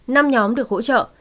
năm nhóm được hỗ trợ